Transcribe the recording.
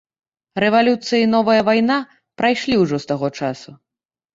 Рэвалюцыя і новая вайна прайшлі ўжо з таго часу.